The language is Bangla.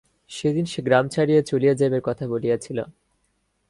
সেদিন সে গ্রাম ছাড়িয়া চলিয়া যাইবার কথা বলিয়াছিল।